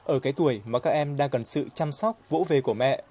ở cái tuổi mà các em đang cần sự chăm sóc vỗ về của mẹ